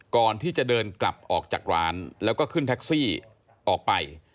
ก่อนที่จะเดินกลับออกจากร้านแล้วก็ขึ้นแท็กซี่ออกไป